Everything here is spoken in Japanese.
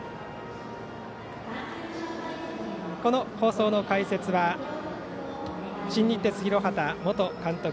この放送の解説は新日鉄広畑元監督